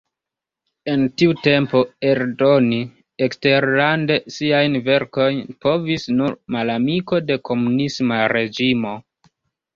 En tiu tempo eldoni eksterlande siajn verkojn povis nur "malamiko de komunisma reĝimo".